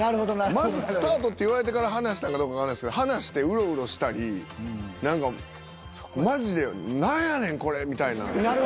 まずスタートって言われてから離したんかわからないですけど離してうろうろしたり何かマジで何やねんこれみたいな。